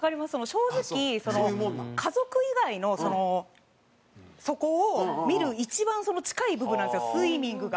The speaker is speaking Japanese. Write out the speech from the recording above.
正直家族以外のそこを見る一番近い部分なんですよスイミングが。